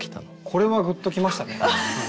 これはグッときましたね。